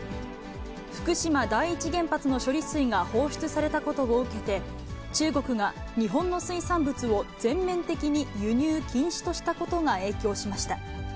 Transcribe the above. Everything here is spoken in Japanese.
福島第一原発の処理水が放出されたことを受けて、中国が日本の水産物を全面的に輸入禁止としたことが影響しました。